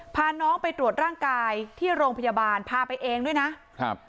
พาน้องไปตรวจร่างกายที่โรงพยาบาลพาไปเองด้วยนะครับ